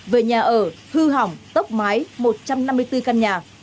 về nhà ở hư hỏng tốc mái một trăm năm mươi bốn căn nhà